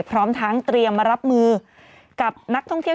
พร้อมทั้งเตรียมมารับมือกับนักท่องเที่ยว